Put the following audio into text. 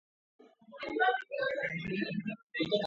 La película transcurre en dos lugares distintos y opuestos.